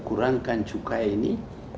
kurangkan cukai ini